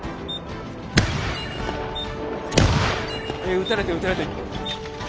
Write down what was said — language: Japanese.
撃たれてる撃たれてる。